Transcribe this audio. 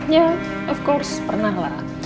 ya of course pernah lah